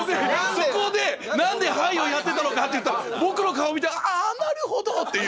そこで何で「はい」をやってたのか僕の顔見て「あなるほど」っていう。